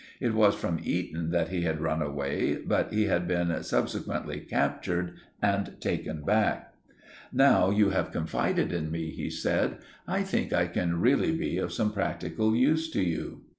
It was from Eton that he had run away, but he had been subsequently captured and taken back. "Now you have confided in me," he said, "I think I can really be of some practical use to you."